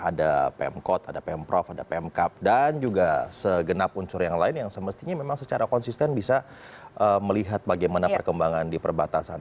ada pemkot ada pemprov ada pemkap dan juga segenap unsur yang lain yang semestinya memang secara konsisten bisa melihat bagaimana perkembangan di perbatasan